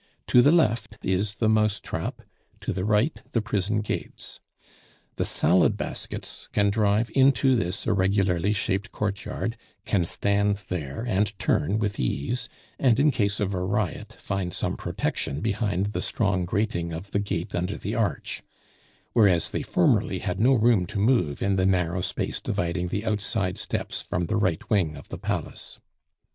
To the left is the "mousetrap," to the right the prison gates. The "salad baskets" can drive into this irregularly shaped courtyard, can stand there and turn with ease, and in case of a riot find some protection behind the strong grating of the gate under the arch; whereas they formerly had no room to move in the narrow space dividing the outside steps from the right wing of the palace.